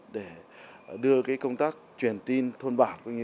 để đưa công tác truyền tin thôn bản